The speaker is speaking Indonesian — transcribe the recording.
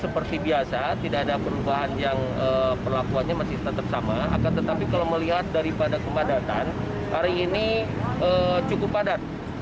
pada kepadatan hari ini cukup padat